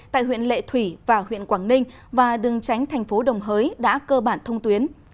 tại huyện lệ thủy và huyện quảng ninh và đường tránh thành phố đồng hới đã cơ bản thông tuyến